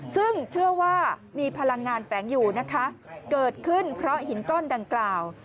ซึ่งเชื่อว่ามีพลังงานแฝงอยู่นะคะเกิดขึ้นเพราะหินก้อนดังกล่าว